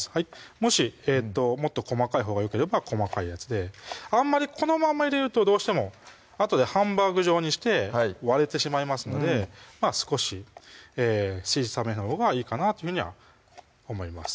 もしもっと細かいほうがよければ細かいやつであんまりこのまんま入れるとどうしてもあとでハンバーグ状にして割れてしまいますので少し小さめのほうがいいかなというふうには思います